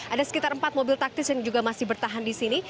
ada sekitar empat mobil taktis yang juga masih bertahan di sini